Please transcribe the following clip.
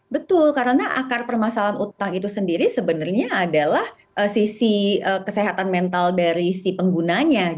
betul karena akar permasalahan utang itu sendiri sebenarnya adalah sisi kesehatan mental dari si penggunanya